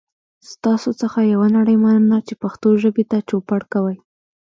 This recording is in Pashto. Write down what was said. ستاسو څخه یوه نړۍ مننه چې پښتو ژبې ته چوپړ کوئ.